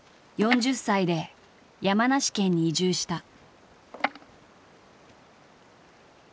４０歳で山梨県に移住した。